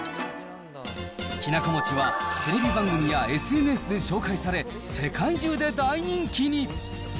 きなこ餅は、テレビ番組やＳＮＳで紹介され、世界中で大人気に。